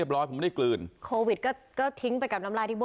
บอกกลัว